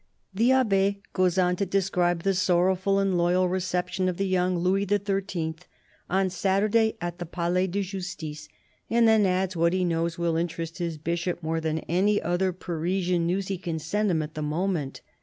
The Abbe goes on to describe the sorrowful and loyal reception of the young Louis XIIL, on Saturday, at the Palais de Justice, and then adds what he knows will interest his Bishop more than any other Parisian news he can send him at the moment.